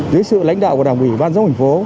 dưới sự lãnh đạo của đảng ủy ban giống hình phố